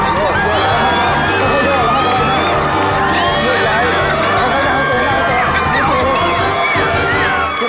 สักครู่